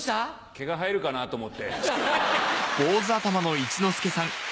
毛が生えるかなと思って。